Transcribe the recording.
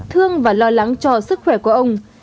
thương và lo lắng cho sức khỏe của ông